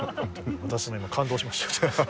私も今、感動しました。